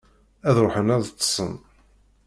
Ad ruḥen ad ṭṭsen.